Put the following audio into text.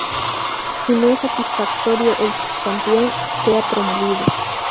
Si no es satisfactorio, el subcampeón sea promovido.